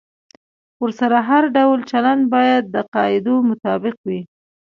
ورسره هر ډول چلند باید د قاعدو مطابق وي.